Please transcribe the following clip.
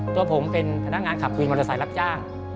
ตัวผมเป็นพนักงานขับวินมอเตอร์ไซค์รับจ้าง